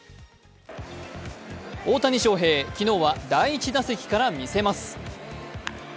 大谷翔平、昨日は第１打席から見せます。